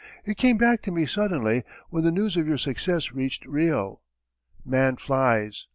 It came back to me suddenly when the news of your success reached Rio. 'Man flies!'